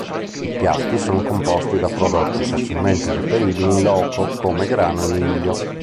I piatti sono composti da prodotti facilmente reperibili in loco, come grano e miglio.